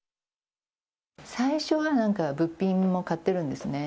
最初はなんか物品も買ってるんですね。